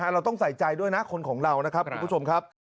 เราต้องใส่ใจด้วยนะคนของเรานะครับคุณผู้ชมครับ